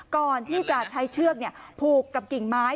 ก่อนที่จะใช้เชือกผูกกับกิ่งไม้